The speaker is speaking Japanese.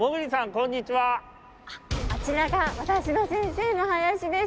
あちらが私の先生の林です。